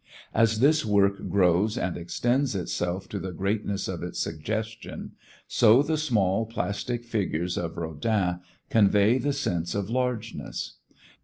As this work grows and extends itself to the greatness of its suggestion, so the small plastic figures of Rodin convey the sense of largeness.